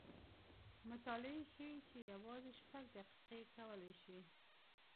مطالعې ښیې چې یوازې شپږ دقیقې کولی شي